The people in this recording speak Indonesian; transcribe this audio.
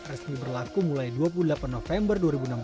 resmi berlaku mulai dua puluh delapan november dua ribu enam belas